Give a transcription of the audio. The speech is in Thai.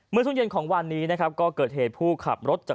เมื่อช่วงเย็นของวันนี้นะครับก็เกิดเหตุผู้ขับรถจาก